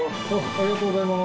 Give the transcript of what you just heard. ありがとうございます。